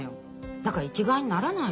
だから生きがいにならないの。